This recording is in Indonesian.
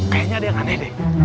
kayaknya ada yang aneh deh